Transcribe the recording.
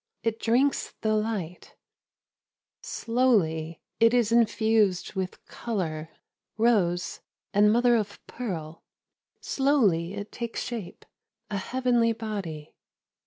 It drinks the light ; slowly it is infused with colour, rose and mother of pearl. Slowly it takes shape, a heavenly body.